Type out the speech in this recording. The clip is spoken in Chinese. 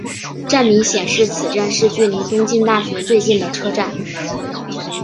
站名显示此站是距离东京大学最近的车站。